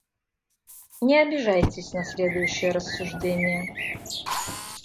Не обижайтесь на следующее рассуждение.